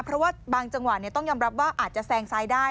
เพราะว่าบางจังหวะต้องยอมรับว่าอาจจะแซงซ้ายได้